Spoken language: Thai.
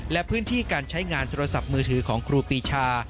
และพื้นที่การใช้งานโทรศัพท์มือถือของครูปีชา